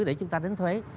để chúng ta đến thuế